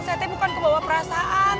saya bukan kebawa perasaan